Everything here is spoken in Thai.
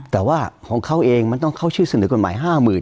แต่ว่าของเขาเองมันต้องเข้าชื่อเสนอกฎหมาย๕๐๐๐